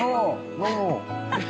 どうも。